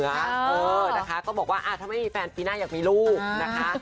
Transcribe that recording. เออนะคะก็บอกว่าถ้าไม่มีแฟนปีหน้าอยากมีลูกนะคะ